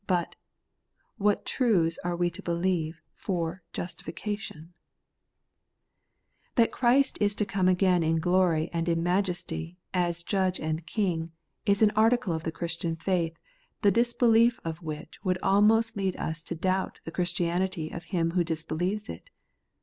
' but, What truths are we to believe for JUSTIFICATION ? 118 The Everlasting Righteousness, That Christ is to come again in glory and in majesty, as Judge and King, is an article of the Christian faith, the disbelief of which would almost lead us to doubt the Christianity of him who dis believes it.